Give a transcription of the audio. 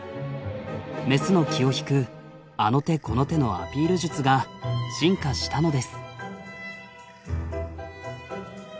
メスの気を引くあの手この手のアピール術が進化したのです。